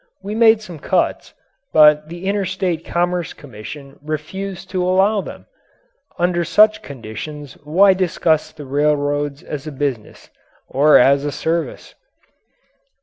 We made some cuts, but the Interstate Commerce Commission refused to allow them! Under such conditions why discuss the railroads as a business? Or as a service?